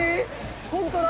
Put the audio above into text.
ホントだ